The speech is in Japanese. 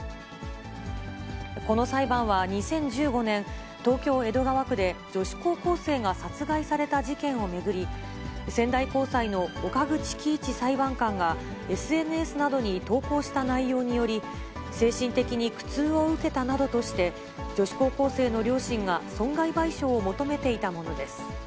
この裁判は２０１５年、東京・江戸川区で、女子高校生が殺害された事件を巡り、仙台高裁の岡口基一裁判官がＳＮＳなどに投稿した内容により、精神的に苦痛を受けたなどとして、女子高校生の両親が損害賠償を求めていたものです。